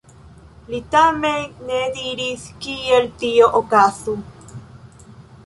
Li tamen ne diris, kiel tio okazu.